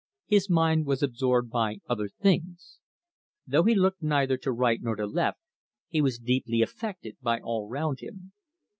His mind was absorbed by other things. Though he looked neither to right nor to left, he was deeply affected by all round him.